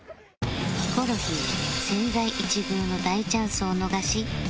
ヒコロヒー千載一遇の大チャンスを逃し振り出しに